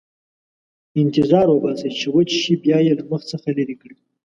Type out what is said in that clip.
انتظار وباسئ چې وچ شي، بیا یې له مخ څخه لرې کړئ.